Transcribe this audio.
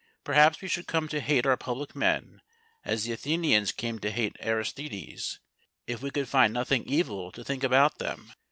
Perhaps we should come to hate our public men as the Athenians came to hate Aristides if we could find nothing evil to think about them.